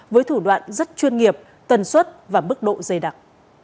với thủ đoạn rất chuyên nghiệp tần suất và mức độ dày đặc